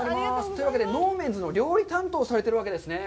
ということで、農メンズの料理担当をされているわけですね。